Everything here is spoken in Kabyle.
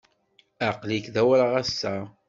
Aql-ik d awraɣ ass-a.